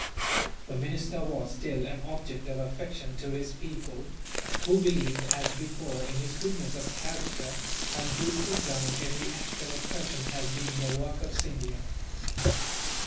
The minister was still an object of affection to his people; who believed, as before, in his goodness of character, and who put down every act of oppression as being the work of Scindia.